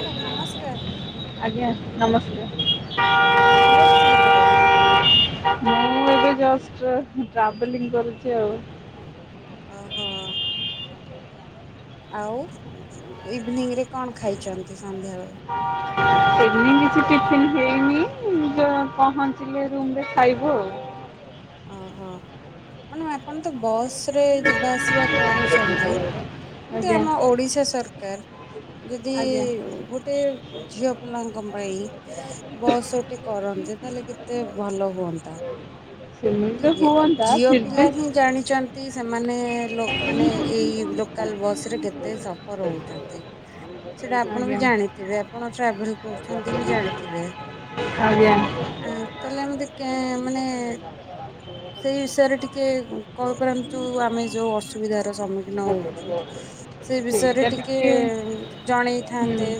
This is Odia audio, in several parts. ମ୍ୟାଡ଼ାମ୍ ନମସ୍କାର୍। ଆଜ୍ଞା ନମସ୍ତେ। କଁ କରୁଥିଲେ ମ୍ୟାଡ଼ାମ? ମୁଁ ଏବେ ଜଷ୍ଟ ଟ୍ରାଭେଲିଂ କରୁଚି ଆଉ। ଅହଃ। ଆଉ ଇଭିନିଂ ରେ କଣ ଖାଇଚନ୍ତି ସନ୍ଧ୍ୟାବେଳେ? [unintelligible] [unintelligible] କିଛି ଟିଫିନ୍ ହେଇନି, ଯଉ ପହଞ୍ଚିଲେ ରୁମ୍ ରେ ଖାଇବୁ ଆଉ। ଅ ହ, ମାନେ ଆପଣ ତ ବସ୍ ରେ ଯିବା ଆସିବା କରୁଚନ୍ତି କିନ୍ତୁ ଆଜ୍ଞା ଆମ ଓଡ଼ିଶା ସରକାର- ଯଦି ଆଜ୍ଞା ଗୋଟେ ଝିଅ ପିଲାଙ୍କ ପାଇଁ ବସ ଗୋଟେ କରନ୍ତେ ତାହେଲେ କେତେ ଭଲ ହୁଅନ୍ତା ସେମିତି ନାହିଁ ତ କି? ହୁଅନ୍ତା ଝିଅ ଫିର୍ ପିଲା ବି ହିଁ ଜାଣିଚନ୍ତି ତି, ସେମାନେ ଲୋ ମାନେ ଏଇ ଲୋକାଲ ବସ୍ ରେ କେତେ ସଫର୍ ହଉଚନ୍ତି। ସେଟା ଆପଣ ବି ଆଜ୍ଞା ଜାଣିଥିବେ, ଆପଣ ଟ୍ରାଭେଲ୍ କରୁଚନ୍ତି ବି ଜାଣିଥିବେ? ଆଜ୍ଞା। ଆ ତାହେଲେ ଏମିତି କେଁ ମାନେ- ସେଇ ବିଷୟରେ ଟିକେ କହିପାରନ୍ତୁ, ଆମେ ଯୋଉ ଅସୁବିଧାର ସମ୍ମୁଖୀନ ହଉଚୁ। ସେଇ ବିଷୟରେ ଟିକେ ହୁଁ ଜଣେଇଥାନ୍ତେ।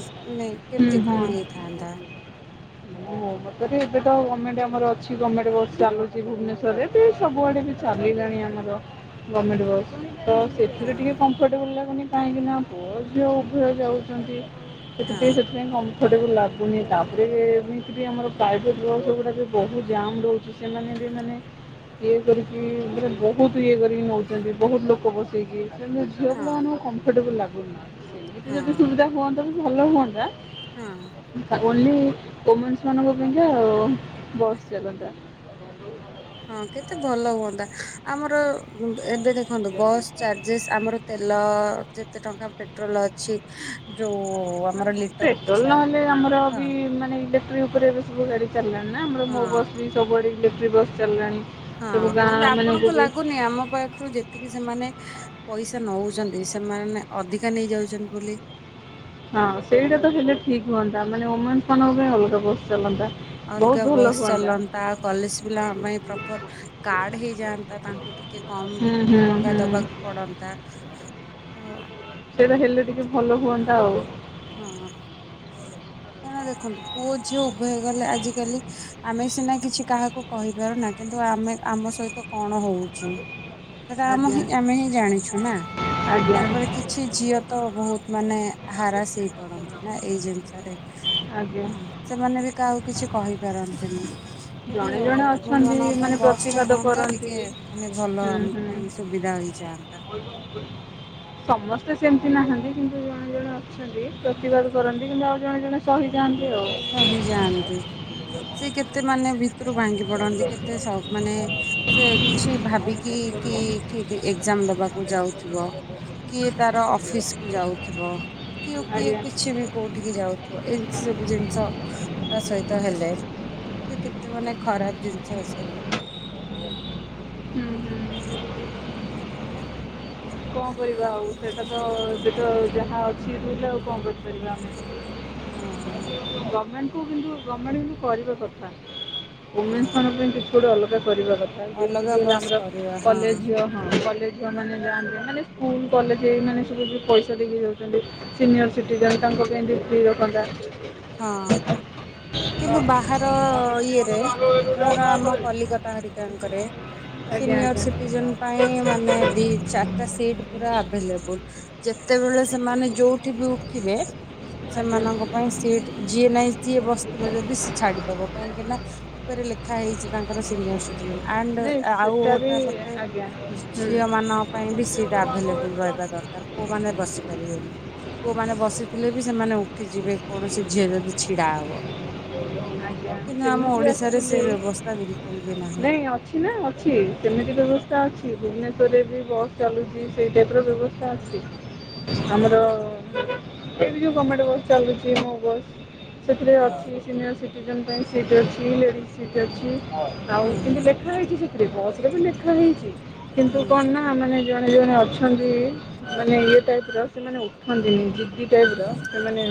ନେଇଁ, ହୁଁ କେମିତି ହୁଁ କଣ ହେଇଥାନ୍ତା? [unintelligible] ମତରେ ଏବେ ତ ଗମେଣ୍ଟ୍ ଆମର ଅଛି, ଗମେଣ୍ଟ ବସ୍ ଚାଲୁଚି ଭୁବନେଶ୍ୱରରେ ବି, ସବୁଆଡ଼େ ବି ଚାଲିଲାଣି ଆମର ଗମେଣ୍ଟ୍ ବସ୍, ତ ହଁ ସେଥିରେ ଟିକେ କମ୍- କମ୍ଫଟେବୁଲ୍ ଲାଗୁନି, କାହିଁକି ନା ପୁଅ ଝିଅ ଉଭୟ ଯାଉଚନ୍ତି, ହଁ ସେଥିପାଇଁ ସେ- ସେଥିପାଇଁ କମ୍ଫର୍ଟେବୁଲ୍ ଲାଗୁନି। ତାପରେ ଏମିତି ବି ଆମର ପ୍ରାଇଭେଟ୍ ବସ୍ ଗୁଡ଼ାକ ବହୁତ ଜାମ୍ ରହୁଛି। ସେମାନେ ବି ମାନେ ଇଏ କରିକି, ପୁରା ବହୁତ୍ ଇଏ କରିକି ନଉଚନ୍ତି, ବହୁତ୍ ଲୋକ ବସେଇକି କିନ୍ତୁ ଝିଅ ହଁ ପିଲାମାନଙ୍କୁ କମ୍ଫର୍ଟେବୁଲ୍ ଲାଗୁନି। ସେମିତି ହଁ ଯଦି ସୁବିଧା ହୁଅନ୍ତା ବି, ଭଲ ହୁଅନ୍ତା। ହଁ ଅ। ଓନ୍ଲି ଓମେନ୍ସ ମାନଙ୍କ ପାଇଁ କା, ଓ ଓ ବସ୍ ଚାଲନ୍ତା। ହଁ କେତେ ଭଲ ହୁଅନ୍ତା। ଆମର ଏବେ ଦେଖନ୍ତୁ ବସ୍ ଚାର୍ଜେସ୍ ଆମର- ତେଲ ଯେତେ ଟଙ୍କା ପେଟ୍ରୋଲ୍ ଅଛି ଯୋଉ ଆମର ଲିଟର ପେଟ୍ରୋଲ୍ ପିଛା ନହେଲେ ଆମର ହଁ ବି ମାନେ ଇଲେକ୍ଟ୍ରି ଉପରେ ଏବେ ସବୁ ଗାଡି- ଚାଲିଲାଣି ନା, ଆମର ହଁ ମୋ ବସ୍ ବି ସବୁଆଡ଼େ ଇଲେକ୍ଟ୍ରିକ୍ ବସ୍ ଚାଲିଲାଣି। ହଁ, ସବୁ ଗାଁ କିନ୍ତୁ ମାନଙ୍କୁ ଆପଣଙ୍କୁ ବି ଲାଗୁନି ଆମ ପାଖରୁ ଯେ- ଯେତିକି ସେମାନେ ପଇସା ନଉଚନ୍ତି, ସେମାନେ ଅଧିକା ନେଇଯାଉଚନ୍ତି ବୋଲି। ହଁ ସେଇଟା ତ ହେଲେ ଠିକ ହୁଅନ୍ତା, ମାନେ ଓମେନ୍ସ ମାନଙ୍କ ପାଇଁ ଅଲଗା ବସ୍ ଚାଲନ୍ତା। ବହୁତ ଅଲଗା ଭଲ ବସ୍ ହୁଅନ୍ତା ଚାଲନ୍ତା, କଲେଜ୍ ପିଲାଙ୍କ ପାଇଁ ପ୍ରପର୍- କାର୍ଡ ହେଇଯାଆନ୍ତା, ତାଙ୍କୁ ଟିକେ କମ୍ ହୁଁ ହୁଁ ଟଙ୍କା ହୁଁ ଦବାକୁ- ପଡ଼ନ୍ତା, ହଁ। ସେଇଟା ହେଲେ ଟିକେ ଭଲ ହୁଅନ୍ତା ଆଉ। ହଁ ଅ। [unintelligible] କାଇଁ ନା ଦେଖନ୍ତୁ, ପୁଅ ଝିଅ ଉଭୟ ଗଲେ ଆଜିକାଲି, ଆମେ ସିନା କିଛି କାହାକୁ- କହିପାରୁନା କିନ୍ତୁ ଆମେ ଆମ ସହିତ କଣ ହଉଚି ସେଟା ଆମ ଆଜ୍ଞା ହିଁ ଆମେ ହିଁ ଜାଣିଛୁ ନା, ଆଜ୍ଞା ତାପରେ କିଛି- କିଛି ଝିଅ ତ ବହୁତ ମାନେ ହାରାସ ହେଇପଡ଼ନ୍ତି ନା ଏଇ ଜିନିଷରେ। [inaudible] ହୁଁ ସେମାନେ ବି କାହାକୁ କିଛି କହିପାରନ୍ତିନି, ଯଦି ଜଣେ ଓ ଜଣେ ଅଛନ୍ତି ଓମେନ୍ସମାନଙ୍କ ପାଇଁ ମାନେ ବସ୍ ଟେ ପ୍ରତିବାଦ ହୁଅନ୍ତା କରନ୍ତି ଟିକେ ମାନେ ଭଲ ହୁଁ ଆମ ହୁଁ। ପାଇଁ ସୁବିଧା ହେଇଯାଆନ୍ତା। ସମସ୍ତେ ସେମିତି ନାହାନ୍ତି କିନ୍ତୁ ଜଣେ ଜଣେ ଅଛନ୍ତି ପ୍ରତିବାଦ କରନ୍ତି କିନ୍ତୁ ଆଉ ଆଉ ଜଣେ ଜଣେ ସହିଯାଆନ୍ତି ଆଉ। ସହିଯାଆନ୍ତି ସେ କେତେମାନେ ଭିତରୁ ଭାଙ୍ଗି ପଡ଼ନ୍ତି କେତେ ସ ମାନେ- ସେ କିଛି ଭାବିକି କି କି ଏକ୍ଜାମ୍ ଦବାକୁ ଯାଉଥିବ। କିଏ ତାର ଅଫିସ୍ କୁ ଯାଉଥିବ କିଏ କିଏ ଆଜ୍ଞା କିଛି ବି- କୋଉଠିକି ଯାଉଥିବ ଏମିତି ସବୁ ଯେମିତି ସ ତା ସହିତ ହେଲେ ସେ କେତେ ମାନେ ଖରାପ ଜିନିଷ ଏ ସବୁ। ହୁଁ ହୁଁ କଣ କରିବା ଆଉ ସେଇଟା ତ ସେଇଟା ଯାହା ଅଛି ବୁହିଲେ ଆଉ କଣ କରିବା ଆଉ କଣ କରିବା ହଁ ଆମେ? ଗଭର୍ଣ୍ଣମେଣ୍ଟକୁ କିନ୍ତୁ ଗଭର୍ଣ୍ଣମେଣ୍ଟ କିନ୍ତୁ କରିବା କଥା ହଁ ଓମେନ୍ସମାନଙ୍କ ପାଇଁ କିଛି ଗୋଟେ ଅଲଗା କରିବା କଥା ଅଲଗା ଯେମିତିକି ହେଲା ବସ୍ ଆମର କରିବା ହଁ କଲେଜ ଝିଅ ହଁ କଲେଜ ଝିଅମାନେ ଯାଆନ୍ତି। ମାନେ ସ୍କୁଲ କଲେଜ ଏଇ ମାନେ ସବୁ ଯଉ ପଇସା ଦେଇକି ଯାଉଛନ୍ତି। ସିନିୟର୍ ସିଟିଜେନ୍ ତାଙ୍କ ପାଇଁ ବି ଫ୍ରି ରଖନ୍ତା। ହଁ [inaudible] କିନ୍ତୁ ବାହାର ଇଏରେ ଧର ଆମ କଲିକତା ହେରିକାଙ୍କରେ ଆଜ୍ଞା ସିନିୟର ଆଜ୍ଞା ସିଟିଜେନ ପାଇଁ ମାନେ ଦି ଚାରି ତ ସିଟ ପୁରା ଆଭେଲେବୁଲ ଯେତେବେଳେ ସେମାନେ ଯୋଉଠି ବି ଉଠିବେ। ଆଜ୍ଞା ସେମାନଙ୍କ ପାଇଁ ସିଟ ଯିଏ ନାହିଁ ସିଏ ଯଦି ସେ ଛାଡିଦବ କାହିଁକି ନା ଉପରେ ଲେଖା ହେଇଛି ତାଙ୍କର ସିନିୟର ସିଟି ଆଣ୍ଡ ନାଇଁ ଆଉ ସେଟା ବି ଗୋଟାପଟେ ଆଜ୍ଞା ହୁଁ। ଝିଅ ମାନଙ୍କ ପାଇଁ ବି ସିଟ୍ ଆଭେଲେବୁଲ ରହିବ। ଦରକାର ପୁଅମାନେ ବସି ପାରିବେନି ପୁଅମାନେ ବସିଥିଲେ ବି ସେମାନେ ଉଠି ଯିବେ କୌଣସି ଝିଅ ଯଦି ଛିଡା ହବ। ଆଜ୍ଞା, କିନ୍ତୁ ଆମ ସେମିତି ଓଡିଶାରେ ସେ ଆସିଥିଲି ବ୍ୟବସ୍ଥା ବିଲକୁଲ ବି ନାହିଁ। ନାଇଁ ଅଛି ଅଛି ନା ଅଛି ସେମିତି ବ୍ୟବସ୍ଥା ଅଛି ଭୁବନେଶ୍ଵରରେ ବି ବସ୍ ଚାଲୁଛି ସେଇ ଟାଇପର ବ୍ୟବସ୍ଥା ଅଛି, ହୁଁ ହୁଁ ଆମର ଏଇଠି ଯଉ ଗମେଣ୍ଟ ବସ୍ ଚାଲୁଛି ମୋ ବସ୍। ସେଥିରେ ହଁ ଅଛି ସିନିୟର ସିଟିଜେନ୍ ପାଇଁ ସିଟ୍ ଅଛି ଲେଡ଼ିଜ୍ ସିଟ୍ ଅଛି। ଆଉ ହୁଁ କିନ୍ତୁ ହୁଁ ଲେଖା ହେଇଛି ସେଥିରେ ବସରେ ବି ଲେଖା ହେଇଛି କିନ୍ତୁ ହୁଁ। କଣ ନା ଆହ୍ ମାନେ ଜଣେ ଜଣେ ଅଛନ୍ତି ମାନେ ଇଏ ଟାଇପର ସେମାନେ ଉଠନ୍ତିନି ଜିଦି ଟାଇପର। ମାନେ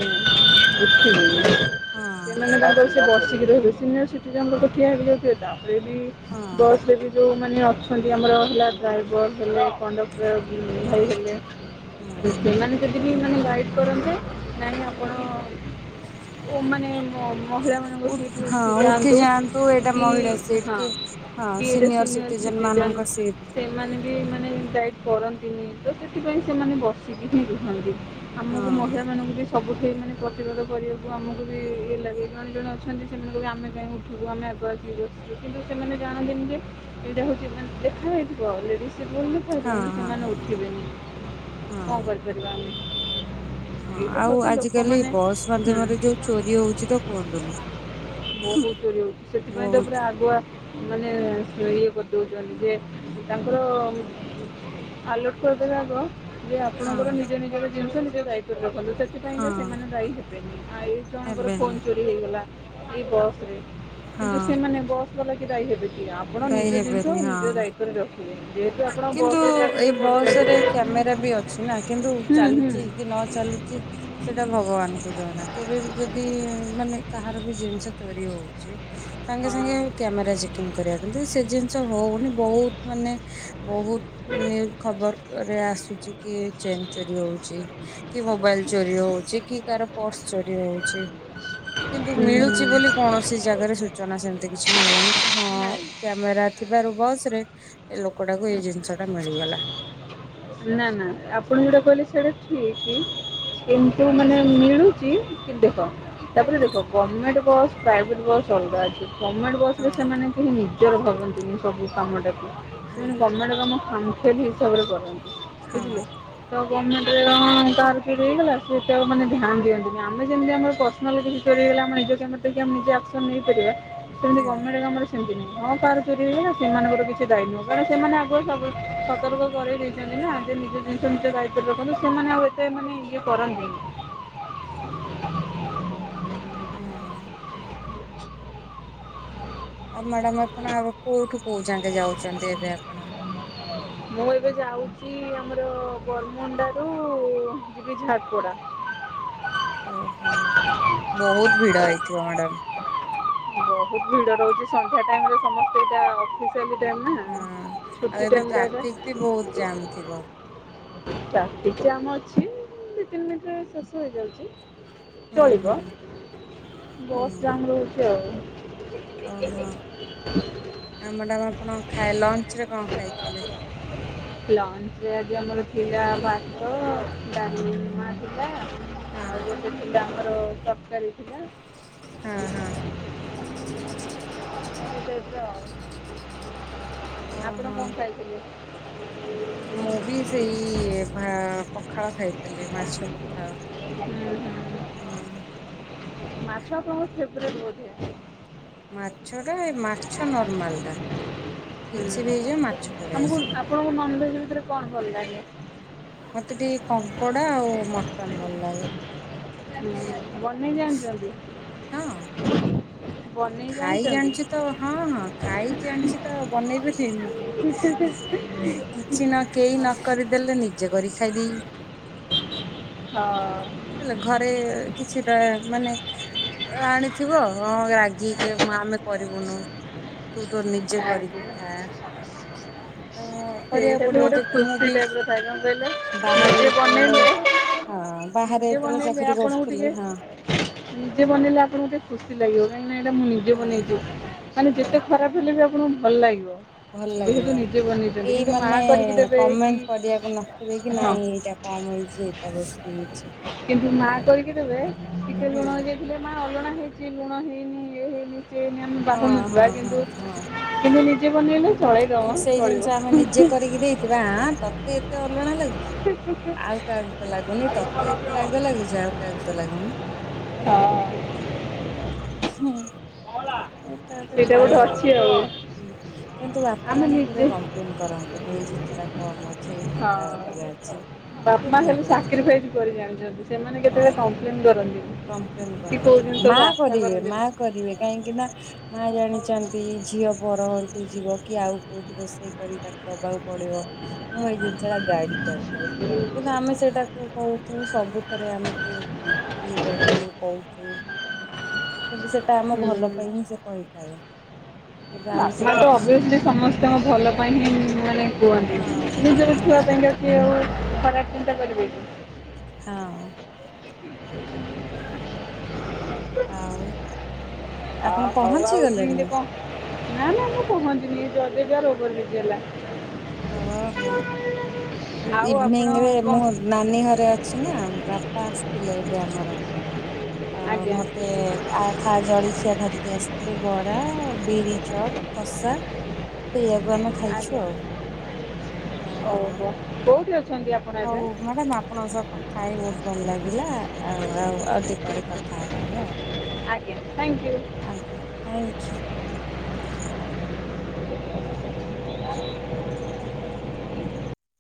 ଉଠିବେନି ହଁ ହଁ ସେମାନେ [unintelligible] ସେ ବସିକି ରହିବେ, ସିନିୟର ସିଟିଜନ୍ ଲୋକ ଠିଆ ହେଇଯାଉଥିବେ ତାପରେ ବି ହଁ ବସ ରେ ବି ଯେଉଁମାନେ ଅଛନ୍ତି ଆମର ହେଲା ଡ୍ରାଇଭର ହେଲେ କଣ୍ଡକ୍ଟର ଭାଇ ହଁ ହେଲେ ହଁ ସେମାନେ ଯଦି ବି ମାନେ ଗାଇଡ଼ କରନ୍ତେ ନାହିଁ ଆପଣ ଓ ମାନେ ମହିଳାମାନଙ୍କୁ ଉ ସିଟ ହଁ ଉଠି ଯାଆନ୍ତୁ ଏଇଟା କି ମହିଳା ସିଟ୍ ହଁ। କି ହଁ କି ଏଟା ସିନିୟର ସିନିୟର୍ ସିଟିଜେନ ସିଟିଜନ୍ ମାନଙ୍କ ସିଟ୍ ସେମାନେ ବି ମାନେ ଗାଇଡ୍ କରନ୍ତିନି ତ ସେଥିପାଇଁ ସେମାନେ ବସିକି ହିଁ ରୁହନ୍ତି। ହଁ ଆମକୁ ମହିଳାମାନଙ୍କୁ ଏ ସବୁଠି ମାନେ ପ୍ରତିରୋଧ କରିବାକୁ ଆମକୁ ବି ଇଏ ଲାଗେ କଣେ ଜଣେ ଅଛନ୍ତି ସେମାନଙ୍କୁ ବି ଆମେ କାଇଁ ଉଠି [unintelligible] [unintelligible] ହଁ ହଁ ସେମାନେ ଉଠିବେନି ହଁ କଣ କରିପାରିବା ଆମେ? ହଁ ଏଇଟା ଆଉ ହଉଛି ଆଜିକାଲି ଲୋକମାନେ ବସ୍ ହୁଁ ମାଧ୍ୟମରେ ଯୋଉ ଚୋରି ହଉଛି ତ କୁହନ୍ତୁନି। ବହୁତ ଚୋରି ହଉଛି ସେଥିପାଇଁ ତ ପୁରା ବହୁତ ଆଗୁଆ ମାନେ ଚୋରି ଇଏ କରିଦଉଛନ୍ତି ଯେ ତାଙ୍କର ଆଲଟ୍ କରିଦେବେ ଆଗ। ଯେ ଆପଣଙ୍କର ହଁ ନିଜ ନିଜର ଜିନିଷ ନିଜ ଦାୟିତ୍ୱରେ ରଖନ୍ତୁ ହଁ ସେଥିପାଇଁକା ସେମାନେ ଦାୟୀ ହେବେନି [unintelligible] ଜଣଙ୍କର ହେବେନି ଫୋନ୍ ଚୋରି ହେଇଗଲା ଏଇ ବସରେ, ହଁ କିନ୍ତୁ ସେମାନେ ବସ୍ ବାଲା କି ଦାଇ ହେବେ କି ଆପଣ ଦାୟୀ ନିଜ ଜିନିଷ ହେବେନି ନିଜ ହଁ ଦାୟି ତ୍ବ କରି ରଖିବେ ଯେହେତୁ ଆପଣ କିନ୍ତୁ ବସରେ ଏଇ ଟ୍ରାଭେଲିଂ ବସ ରେ କରୁଛନ୍ତିଁ, କ୍ୟାମେରା ବି ଅଛି ନା କିନ୍ତୁ ହୁଁ ଚାଲୁଛି ହୁଁ। କି ନ ଚାଲୁଚି ସେଟା ଭଗବାନଙ୍କୁ ଜଣା, କେବେବି ଯଦି ମାନେ କାହାରବି ଜିନିଷ ତୋରି ହଉଛି ସାଙ୍ଗେ ହଁ ସାଙ୍ଗେ କ୍ୟାମେରା ଚେକିଂ କରିବା କିନ୍ତୁ ସେ ଜିନ୍ ଷ ହଉନି ବହୁତ ମାନେ ବହୁତ [unintelligible] ଖବର୍କରେ ଆସୁଛି। କି ଏଇ ଚେନ୍ ଚୋରି ହଉଚି। କି ମୋବାଇଲ୍ ଚୋରି ହଉଛି, କି କାହାର ପର୍ସ ଚୋରି ହଉଛି। କିନ୍ତୁ ହୁଁ ମିଳୁଛି ବୋଲି ହୁଁ କୌଣସି ଜାଗାରେ ସୂଚନା ସେମତି କିଛି ମିଳୁନି କି ହଁ, ନାଇଁ କ୍ୟାମେରା ଥିବାରୁ ବସରେ ଏ ଲୋକଟାକୁ ଏଇ ଜିନିଷଟା ମିଳିଗଲା। ନା ନା ଆପଣ ଯୋଉଟା କହିଲେ ସେଇଟା ଠିକ୍। କିନ୍ତୁ ମାନେ ମିଳୁଚି କିନ୍ତୁ ଦେଖ। ତାପରେ ଦେଖ ଗମେଣ୍ଟ ବସ୍ ପ୍ରାଇଭେଟ ବସ୍ ଅଲଗା ଅଛି। ଗମେଣ୍ଟ ହଁ ବସରେ ସେମାନେ କେହି ନିଜର ଭାବନ୍ତିନି ସବୁ କାମଟା ସେ ହଁ ମାନେ ଗମେଣ୍ଟ କାମ ଖାମିଖିଆଲି ହିସାବରେ କରନ୍ତି ହଁ ବୁଝିଲେ। [unintelligible] ପର୍ସନାଲ୍ ଯଦି କିଛି ଚୋରି ହେଇଗଲା ଆମ କ୍ୟାମେରା ଦେଖି ନିଜେ ଆକ୍ସନ ନେଇପାରିବା, ସେମିତି ହଁ ଗମେଣ୍ଟ କାମରେ ସେମିତି ନାହିଁ ହଁ କାହାର ଚୋରି ହେଇଗଲା ସେମାନଙ୍କର କିଛି ଦାୟୀ ନୁହଁ କାରଣ ସେମାନେ ଆଗୁଆ ସବୁ ସତର୍କ କରେଇ ଦେଇ ଛନ୍ତି ନା ଯେ ନିଜ ଜିନିଷ ନିଜ ଦାୟିତ୍ୱରେ ରଖନ୍ତୁ ସେମାନେ ଆଉ ଏତେ ମାନେ ଇଏ କରନ୍ତିନି? ହଁ ଆଉ ମ୍ୟାଡ଼ାମ୍ ଆପଣ ଆଗ କୋଉଠୁ କୋଉ ଯାଙ୍କେ ଯାଉଛନ୍ତି ଏବେ ଆପଣ? ମୁଁ ଏବେ ଯାଉଛି ଆମର ବରମୁଣ୍ଡାରୁ ଯିବି ଝାରପଡ଼ା। ଓହୋ, ବହୁତ ଭିଡ଼ ହେଇଥିବ ମ୍ୟାଡ଼ାମ। ବହୁତ ଭିଡ ରହୁଛି ସନ୍ଧ୍ୟା ଟାଇମରେ ସମସ୍ତେ ଏଇଟା ହଁ। ଆଉ ଏବେ ଟ୍ରାଫିକ ବି ବହୁତ ଜାମ୍ ଥିବ [unintelligible] ଟ୍ରାଫିକ ଜାମ୍ ଅଛି ଦି ତିନି ମିନିଟରେ ଶେଷ ହେଇଯାଉଛି। ହୁଁ ହୁଁ ଚଳିବ ହୁଁ ବସ୍ ଜାମ୍ ରହୁଛି ଆଉ। ଓହୋ, ଆଉ ମ୍ୟାଡ଼ାମ ଆପଣ ଖାଇ ଲଞ୍ଚରେ କଣ ଖାଇଥିଲେ? [inaudible] ଲଞ୍ଚରେ ଆଜି ଆମର ଥିଲା ଭାତ, ଡ଼ାଲମା ଥିଲା। ଆଉ ହଁ ଗୋଟେ ଥିଲା ଆମର ତରକାରୀ ହଁ ହଁ ଥିଲା। [unintelligible] ଓହୋ। [inaudible] ମୁଁ ବି ସେଇ ଭା ପଖାଳ ଖାଇଥିଲି ମାଛ ପଖାଳ। ହଁ ମାଛ ଆପଣଙ୍କ ଫେବ୍ରେଟ ବୋଧେ? ମାଛ ଟା ଏଇ ମାଛ ନର୍ମାଲ୍ ଟା କିଛି ବି ହେଇଯାଉ ମାଛ ପଳେଇ ଆମକୁ ଆସିବ। ଆପଣଙ୍କୁ ନନଭେଜ୍ ଭିତରେ କଣ ଭଲ ଲାଗେ? ମୋତେ ଟିକେ କଙ୍କଡା ଆଉ ମଟନ୍ ଭଲ ଲାଗେ। ବନେଇ ଜାଣିଚନ୍ତି? ହଁ। ବନେଇ ଖାଇ ଜାଣିଛନ୍ତି? ଜାଣିଚି ତ ହଁ ହଁ ଖାଇ ଜାଣିଛି ତ ବନେଇ ବି ଥିମି। କିଛି ନ କେଇ ନ କରିଦେଲେ ନିଜେ କରି ଖାଇଦେବି। ହଁ। ହେଲେ ଘରେ କିଛିଟା ମାନେ ଅ, ଆଣିଥିବ ହଁ ରାଗିକି ମା ଆମେ କରିବୁନୁ। ତୁ ତୋ ନିଜ ଜେ କରିକି ଆଜ୍ଞା। ଖା। ତ କରିବାକୁ ପଡିବ ଯେ ମୁଁ ସେ ବି ଟାଇପ୍ ର ଖାଏ। କଣ କହିଲେ ବାହାରେ ନିଜେ ଯେତେବେଳେ ବନେଇଲେ ହଁ ବାହାରେ ନିଜେ ଯେତେବେଳେ ବନେଇଲେ ଚାକିରି ଆପଣଙ୍କୁ କରୁଥିଲି ଟିକେ ହଁ ନିଜେ ବନେଇଲେ ଆପଣଙ୍କୁ ଯେ ଖୁସି ଲାଗିବ କାହିଁକିନା ଏଇଟା ମୁଁ ନିଜେ ହଁ ବନେଇଚି। ମାନେ ହଁ ଯେତେ ଖରାପ ହେଲେ ବି ଆପଣଙ୍କୁ ଭଲ ଲାଗିବ। ଭଲ ଯେହେତୁ ଲାଗିବ। ନିଜେ ବନେଇଛନ୍ତି କେଇ କିନ୍ତୁ ମା ମାନେ କରିକି ଦେବେ କି କମେଣ୍ଟ କରିବାକୁ ନଥିବେ କି ହଁ ନାଇଁ ଏଇଟା କମ ହେଇଛି ଏଇଟା ବେଶୀ ହେଇଛି। କିନ୍ତୁ ମା ହଁ କରିକି ଦେବେ ଟିକେ ହୁଁ ଲୁଣ ହେଇଯାଇଥିଲେ ମା ଅଲଣା ହେଇଛି ଲୁଣ ହେଇନି ଇଏ ହେଇନି। ସିଏ ହେଇନି ଆମେ ହଁ ବାହୁନୁଥିବା ହଁ ହଁ କିନ୍ତୁ ହଁ କିନ୍ତୁ ନି ନିଜେ ବନେଇଲେ ଚଳେଇଦବା, ଚଳିବ। ଥିବ ଆଁ, ତୋତେ ଏତେ ଅଲଣା ଲାଗୁ ଆଉ କାହାକୁ ତ ଲାଗୁନି ତୋତେ ଏତେ ରାଗ ଲାଗୁଛି ଆଉ କାହାକୁ ତ ଲାଗୁନି। ହୁଁ। ହଁ ହଁ ଏଟା ଗୋଟେ ଥାଏ ଆଉ ହୁଁ। କିନ୍ତୁ ବାପା ଆମେ ମାନେ କେବେ ନିଜେ କମ୍ପ୍ଲେନ୍ କରନ୍ତିନି ଏଇ ଜିନିଷ ଟା କମ ଅଛି ଏଇ ଜିନିଷ ଟା ହଁ ଅଧିକା ଅଛି। ସେ ବାପା ହେଲେ ଖାଇଦିଅନ୍ତି ସାକ୍ରିଫାଇସ୍ କରି ଜାଣିଛନ୍ତି ସେମାନେ କେତେବେଳେ କମ୍ପ୍ଲେନ୍ କରନ୍ତି କମ୍ପ୍ଲେନ୍ କରନ୍ତିନି। ମା କରିବେ ମା କରନ୍ତିନି। କରିବେ କାହିଁକି ନା ମା ଜାଣିଛନ୍ତି ଝିଅ ପର ଘରକୁ ଯିବ କି ଆଉ କୋଉଠି ରୋଷେଇ କରି ତା ଦବାକୁ ପଡିବ। ମୁଁ ଏଇ ଜିନିଷ ଟା ଗାଇଡ୍ କରିିଦିଏ। କିନ୍ତୁ ଆମେ ସେଟାକୁ କହୁ ତୁ ସବୁଥିରେ ଆମକୁ ଇଏ କରୁଛୁ କହୁଛୁ କିନ୍ତୁ ସେଟା ଆମ ଭଲ ପାଇଁ ହିଁ ସେ କହିଥାଏ। କିନ୍ତୁ ଆମେ ବାପ ମା ସେଟା ତ ଅବ୍ୟସ୍ଲି ସମସ୍ତଙ୍କ ଭଲ ପାଇଁ ହିଁ ମାନେ କୁହନ୍ତି। ହଁ ହଁ ନିଜର ହଁ ଛୁଆ ପାଇଁକା କିଏ ଆଉ ଖରାପ ଚିନ୍ତା କରିବେ କି? ହଁ। [unintelligible] ଆଉ ଆ ଆପଣ ହଉ ଆଉ ଇଭିନିଂରେ ପହଞ୍ଚିଗଲେଣି? କଣ ନା ନା ମୁଁ ପହଞ୍ଚିନି [unintelligible] ଓଭର୍ ବ୍ରିଜ୍ ହେଲା। ଓହୋ। [inaudible] ଏ ଆପଣ ଇଭିନିଂ ରେ କଣ ମୁଁ ନାନୀ ଘରେ ଅଛି ନା ବାପା ଆସିଥିଲେ ଏବେ ଆମର। ଅ, ଆଜ୍ଞା ମୋତେ ଆ, ଖା- ଜଳଖିଆ ଧରିକି ଆସିଥିଲେ ବରା ବିରି ଚପ କଷା। ସେଇଆକୁ ଆମେ ଆଜ୍ଞା ଖାଇଛୁ ଆଉ। ହଁ। ଓହୋ। କୋଉଠି ଅଛନ୍ତି ଆ ହଉ ମ୍ୟାଡାମ ଆପଣଙ୍କ ସହ କଥା ହେଇ ବହୁତ ଭଲ ଲାଗିଲା ଆଉ ଆଉ ଆଉ ଦିପରେ କଥା ହବା ଆମେ ଆଉ। ଆଜ୍ଞା ଥ୍ୟାଙ୍କୟୁ। ଆଜ୍ଞା ଥ୍ୟାଙ୍କ ୟୁ। [unintelligible]